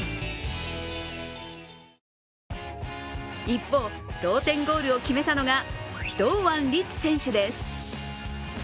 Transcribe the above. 一方、同点ゴールを決めたのが堂安律選手です。